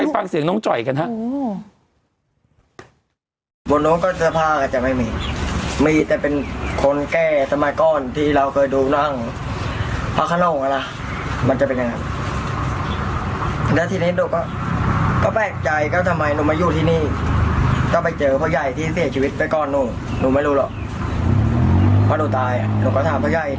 ไปฟังเสียงน้องจอยกันฮะ